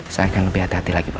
saya akan lebih hati hati lagi pak